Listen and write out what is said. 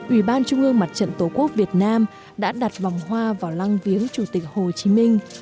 ủy ban trung ương mặt trận tổ quốc việt nam đã đặt vòng hoa vào lăng viếng chủ tịch hồ chí minh